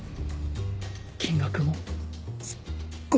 金額もすっごい高くて。